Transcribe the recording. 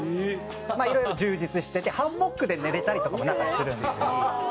「まあいろいろ充実しててハンモックで寝れたりとかも中でするんですよ。